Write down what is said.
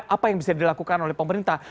apa yang bisa dilakukan oleh pemerintah